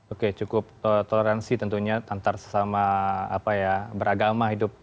oke cukup toleransi tentunya antar sesama beragama hidup